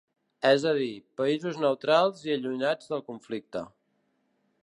És a dir, països neutrals i allunyats del conflicte.